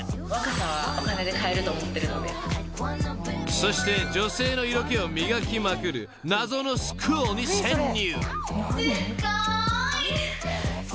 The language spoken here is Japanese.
［そして女性の色気を磨きまくる謎のスクールに潜入］